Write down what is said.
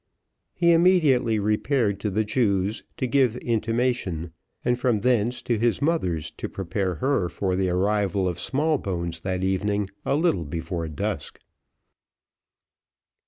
He immediately repaired to the Jew's, to give intimation, and from thence to his mother's to prepare her for the arrival of Smallbones that evening a little before dusk.